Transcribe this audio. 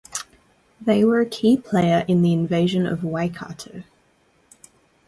They were a key player in the Invasion of Waikato.